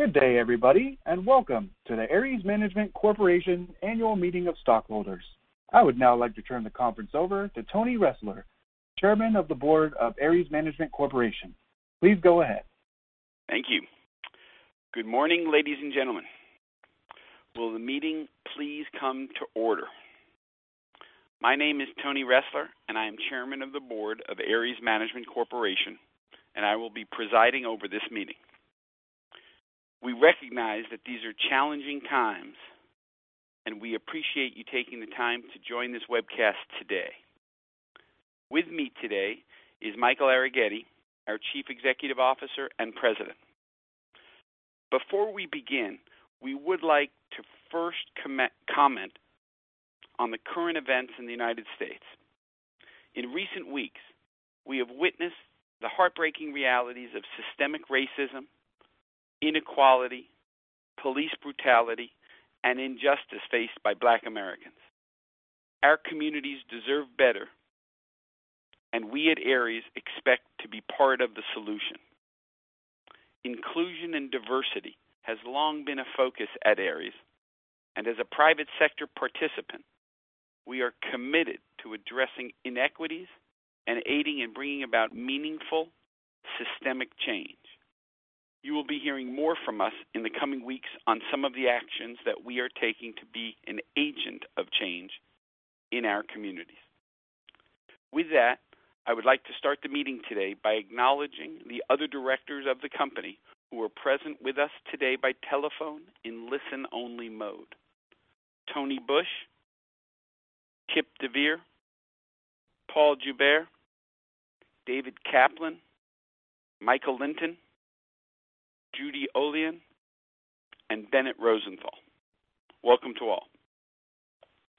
Good day, everybody, and welcome to the Ares Management Corporation Annual Meeting of Stockholders. I would now like to turn the conference over to Antony Ressler, Chairman of the Board of Ares Management Corporation. Please go ahead. Thank you. Good morning, ladies and gentlemen. Will the meeting please come to order? My name is Tony Ressler, and I am Chairman of the Board of Ares Management Corporation, and I will be presiding over this meeting. We recognize that these are challenging times, and we appreciate you taking the time to join this webcast today. With me today is Michael Arougheti, our Chief Executive Officer and President. Before we begin, we would like to first comment on the current events in the U.S. In recent weeks, we have witnessed the heartbreaking realities of systemic racism, inequality, police brutality, and injustice faced by Black Americans. Our communities deserve better, and we at Ares expect to be part of the solution. Inclusion and diversity has long been a focus at Ares, and as a private sector participant, we are committed to addressing inequities and aiding in bringing about meaningful systemic change. You will be hearing more from us in the coming weeks on some of the actions that we are taking to be an agent of change in our communities. With that, I would like to start the meeting today by acknowledging the other directors of the company who are present with us today by telephone in listen-only mode. Tony Bush, Kipp deVeer, Paul Joubert, David Kaplan, Michael Lynton, Judy Olian, and Bennett Rosenthal. Welcome to all.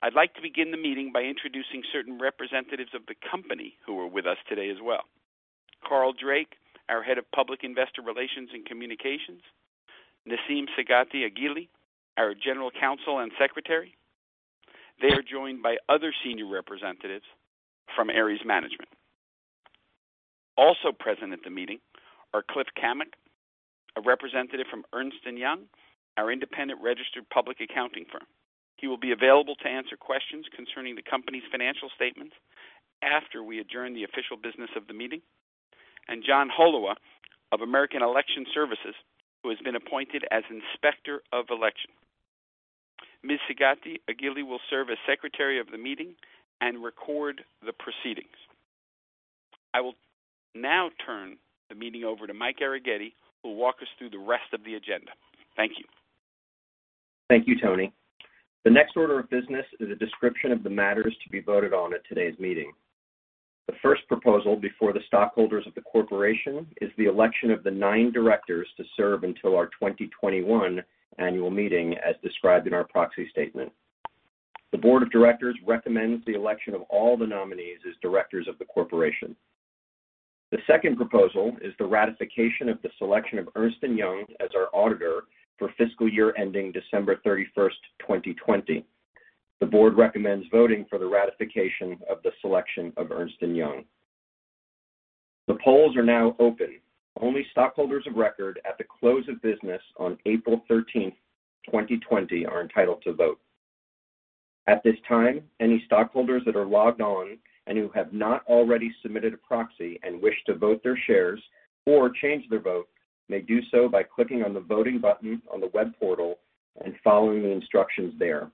I'd like to begin the meeting by introducing certain representatives of the company who are with us today as well. Carl Drake, our Head of Public Investor Relations and Communications, Naseem Sagati Aghili, our General Counsel and Secretary. They are joined by other senior representatives from Ares Management. Also present at the meeting are Cliff Kornock, a representative from Ernst & Young, our independent registered public accounting firm. He will be available to answer questions concerning the company's financial statements after we adjourn the official business of the meeting. John Holaday of American Election Services, who has been appointed as Inspector of Election. Ms. Sagati Aghili will serve as Secretary of the meeting and record the proceedings. I will now turn the meeting over to Mike Arougheti, who will walk us through the rest of the agenda. Thank you. Thank you, Tony. The next order of business is a description of the matters to be voted on at today's meeting. The first proposal before the stockholders of the corporation is the election of the nine directors to serve until our 2021 annual meeting, as described in our proxy statement. The board of directors recommends the election of all the nominees as directors of the corporation. The second proposal is the ratification of the selection of Ernst & Young as our auditor for fiscal year ending December 31st, 2020. The board recommends voting for the ratification of the selection of Ernst & Young. The polls are now open. Only stockholders of record at the close of business on April 13th, 2020 are entitled to vote. At this time, any stockholders that are logged on and who have not already submitted a proxy and wish to vote their shares or change their vote may do so by clicking on the voting button on the web portal and following the instructions there.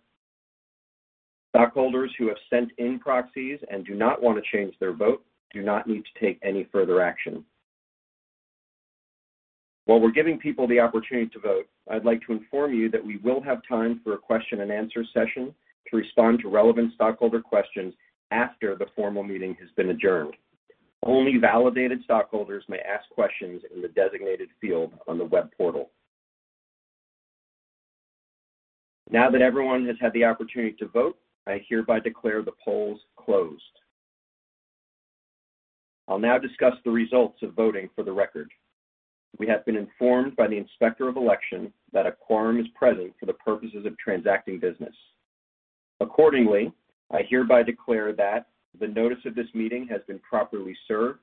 Stockholders who have sent in proxies and do not want to change their vote do not need to take any further action. While we're giving people the opportunity to vote, I'd like to inform you that we will have time for a question and answer session to respond to relevant stockholder questions after the formal meeting has been adjourned. Only validated stockholders may ask questions in the designated field on the web portal. Now that everyone has had the opportunity to vote, I hereby declare the polls closed. I'll now discuss the results of voting for the record. We have been informed by the Inspector of Election that a quorum is present for the purposes of transacting business. Accordingly, I hereby declare that the notice of this meeting has been properly served,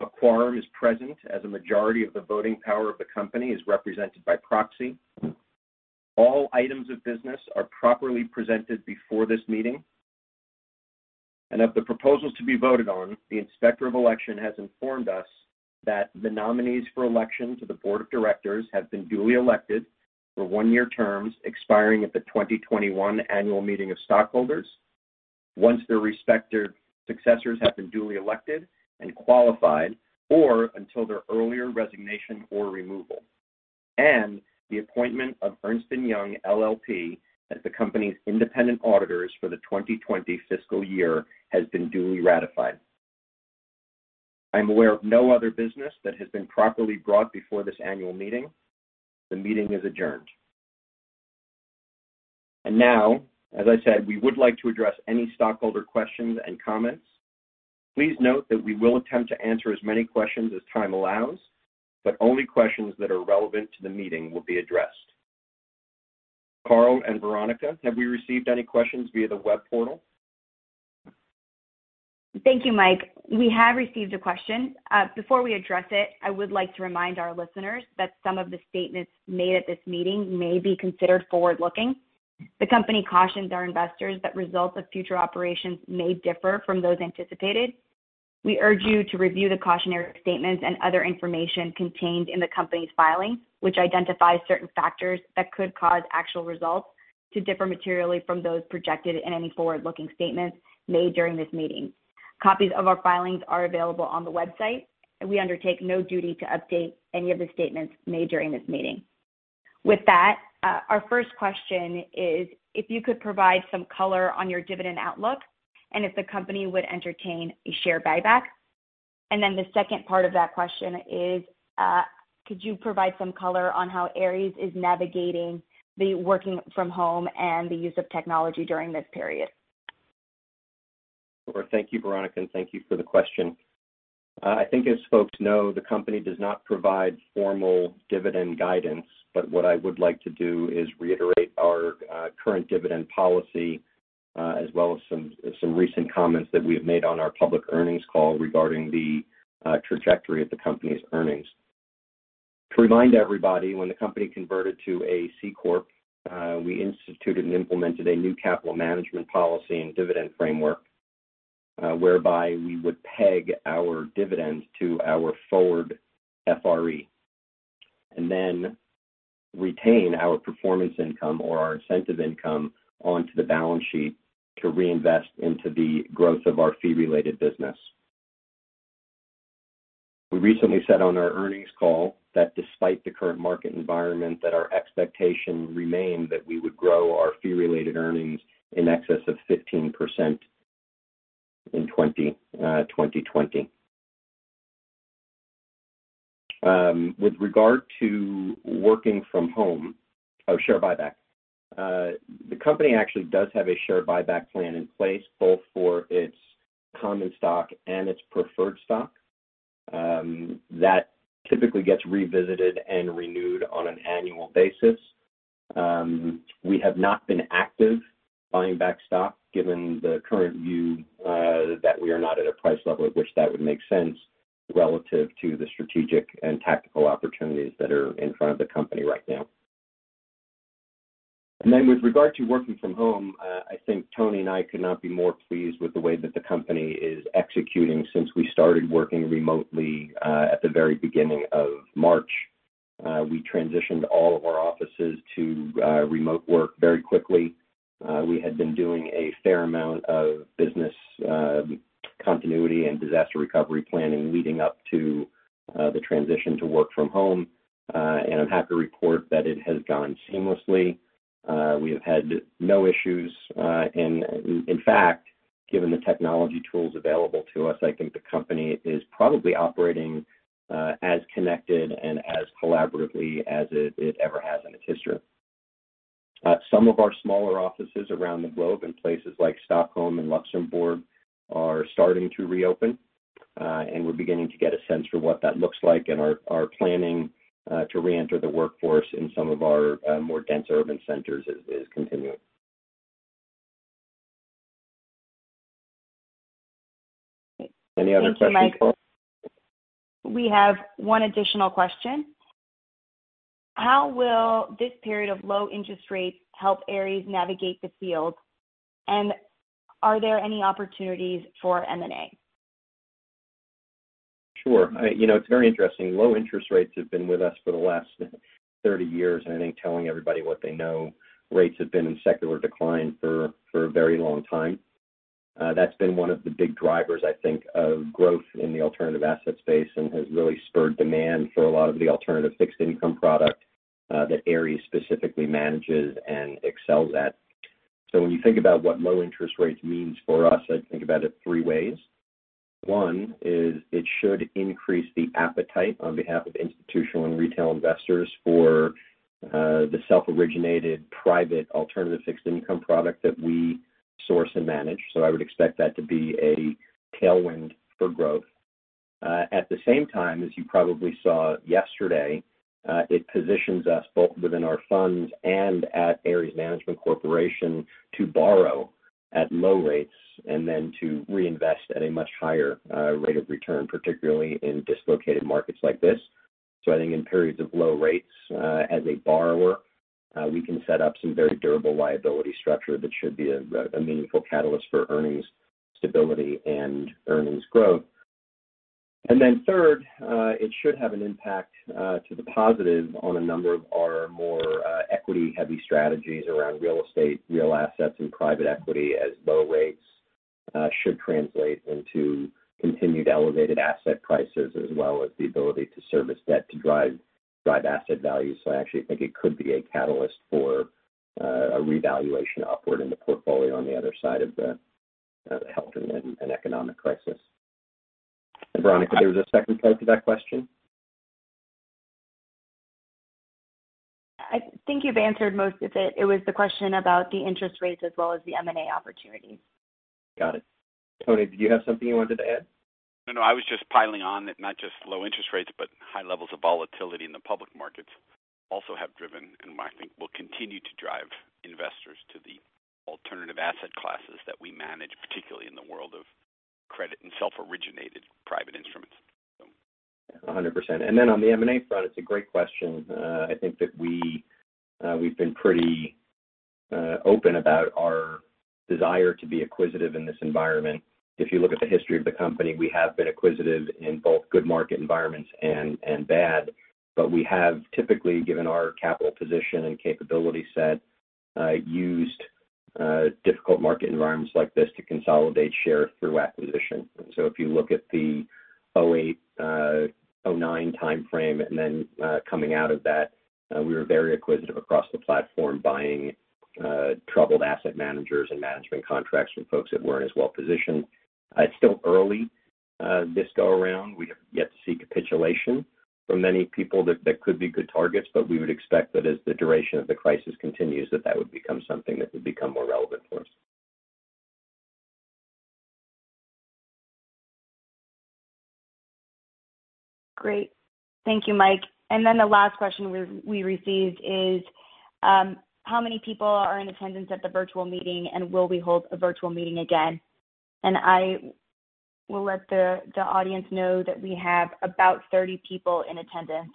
a quorum is present as a majority of the voting power of the company is represented by proxy, all items of business are properly presented before this meeting. Of the proposals to be voted on, the Inspector of Election has informed us that the nominees for election to the board of directors have been duly elected for one-year terms expiring at the 2021 annual meeting of stockholders once their successors have been duly elected and qualified, or until their earlier resignation or removal, and the appointment of Ernst & Young LLP as the company's independent auditors for the 2020 fiscal year has been duly ratified. I'm aware of no other business that has been properly brought before this annual meeting. The meeting is adjourned. Now, as I said, we would like to address any stockholder questions and comments. Please note that we will attempt to answer as many questions as time allows, but only questions that are relevant to the meeting will be addressed. Carl and Veronica, have we received any questions via the web portal? Thank you, Mike. We have received a question. Before we address it, I would like to remind our listeners that some of the statements made at this meeting may be considered forward-looking. The company cautions our investors that results of future operations may differ from those anticipated. We urge you to review the cautionary statements and other information contained in the company's filing, which identifies certain factors that could cause actual results to differ materially from those projected in any forward-looking statements made during this meeting. Copies of our filings are available on the website. We undertake no duty to update any of the statements made during this meeting. With that, our first question is if you could provide some color on your dividend outlook, and if the company would entertain a share buyback. The second part of that question is, could you provide some color on how Ares is navigating the working from home and the use of technology during this period? Sure. Thank you, Veronica, and thank you for the question. I think as folks know, the company does not provide formal dividend guidance, but what I would like to do is reiterate our current dividend policy, as well as some recent comments that we have made on our public earnings call regarding the trajectory of the company's earnings. To remind everybody, when the company converted to a C corp, we instituted and implemented a new capital management policy and dividend framework, whereby we would peg our dividends to our forward FRE. Retain our performance income or our incentive income onto the balance sheet to reinvest into the growth of our fee-related business. We recently said on our earnings call that despite the current market environment, that our expectation remained that we would grow our fee-related earnings in excess of 15% in 2020. With regard to working from home Oh, share buyback. The company actually does have a share buyback plan in place both for its common stock and its preferred stock. That typically gets revisited and renewed on an annual basis. We have not been active buying back stock, given the current view that we are not at a price level at which that would make sense relative to the strategic and tactical opportunities that are in front of the company right now. With regard to working from home, I think Tony and I could not be more pleased with the way that the company is executing since we started working remotely at the very beginning of March. We transitioned all of our offices to remote work very quickly. We had been doing a fair amount of business continuity and disaster recovery planning leading up to the transition to work from home. I'm happy to report that it has gone seamlessly. We have had no issues. In fact, given the technology tools available to us, I think the company is probably operating as connected and as collaboratively as it ever has in its history. Some of our smaller offices around the globe in places like Stockholm and Luxembourg are starting to reopen. We're beginning to get a sense for what that looks like, and our planning to reenter the workforce in some of our more dense urban centers is continuing. Any other questions? Thank you, Mike. We have one additional question. How will this period of low interest rates help Ares navigate the field, and are there any opportunities for M&A? Sure. It's very interesting. Low interest rates have been with us for the last 30 years. I think telling everybody what they know, rates have been in secular decline for a very long time. That's been one of the big drivers, I think, of growth in the alternative asset space and has really spurred demand for a lot of the alternative fixed income product that Ares specifically manages and excels at. When you think about what low interest rates means for us, I think about it three ways. One is it should increase the appetite on behalf of institutional and retail investors for the self-originated private alternative fixed income product that we source and manage. I would expect that to be a tailwind for growth. At the same time, as you probably saw yesterday, it positions us both within our funds and at Ares Management Corporation to borrow at low rates, and then to reinvest at a much higher rate of return, particularly in dislocated markets like this. I think in periods of low rates, as a borrower, we can set up some very durable liability structure that should be a meaningful catalyst for earnings stability and earnings growth. Then third, it should have an impact to the positive on a number of our more equity-heavy strategies around real estate, real assets, and private equity, as low rates should translate into continued elevated asset prices, as well as the ability to service debt to drive asset value. I actually think it could be a catalyst for a revaluation upward in the portfolio on the other side of the health and economic crisis. Veronica, there was a second part to that question? I think you've answered most of it. It was the question about the interest rates as well as the M&A opportunities. Got it. Tony, do you have something you wanted to add? No, I was just piling on that not just low interest rates, but high levels of volatility in the public markets also have driven, and I think will continue to drive investors to the alternative asset classes that we manage, particularly in the world of credit and self-originated private instruments. 100%. On the M&A front, it's a great question. I think that we've been pretty open about our desire to be acquisitive in this environment. If you look at the history of the company, we have been acquisitive in both good market environments and bad. We have typically, given our capital position and capability set, used difficult market environments like this to consolidate share through acquisition. If you look at the 2008, 2009 timeframe coming out of that, we were very acquisitive across the platform, buying troubled asset managers and management contracts from folks that weren't as well-positioned. It's still early this go around. We have yet to see capitulation from many people that could be good targets, we would expect that as the duration of the crisis continues, that that would become something that would become more relevant for us. Great. Thank you, Mike Arougheti. The last question we received is, how many people are in attendance at the virtual meeting, and will we hold a virtual meeting again? I will let the audience know that we have about 30 people in attendance.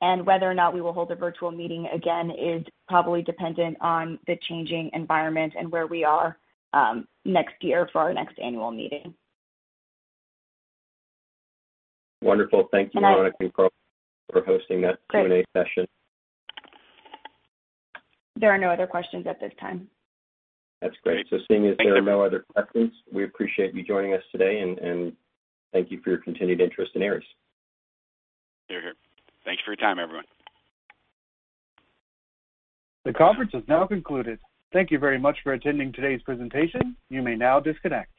Whether or not we will hold a virtual meeting again is probably dependent on the changing environment and where we are next year for our next annual meeting. Wonderful. Thank you, Veronica, for hosting that Q&A session. There are no other questions at this time. That's great. Seeing as there are no other questions, we appreciate you joining us today, and thank you for your continued interest in Ares. Hear, hear. Thanks for your time, everyone. The conference has now concluded. Thank you very much for attending today's presentation. You may now disconnect.